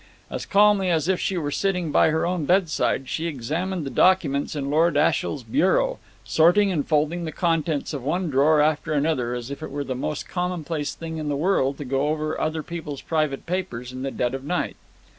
As calmly as if she were sitting by her own bedside, she examined the documents in Lord Ashiel's bureau, sorting and folding the contents of one drawer after another as if it were the most commonplace thing in the world to go over other people's private papers in the dead of night.